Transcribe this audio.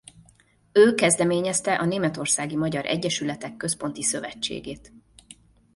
Ő kezdeményezte a Németországi Magyar Egyesületek Központi Szövetségét.